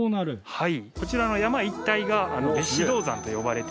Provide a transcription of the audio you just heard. はい。